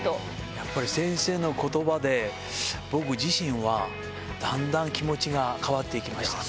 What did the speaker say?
やっぱり先生のことばで、僕自身はだんだん気持ちが変わっていきましたね。